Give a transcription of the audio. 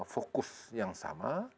fokus yang sama